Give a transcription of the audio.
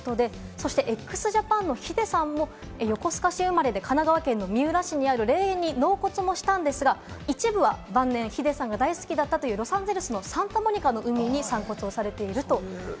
そしてＸＪＡＰＡＮのＨＩＤＥさんも横須賀市生まれで、神奈川県の三浦市にある霊園に納骨もされたんですが、一部は晩年、ＨＩＤＥさんが大好きだったロサンゼルスのサンタモニカの海に散骨されました。